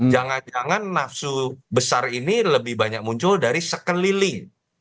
jangan jangan nafsu besar ini lebih banyak muncul dari sekeliling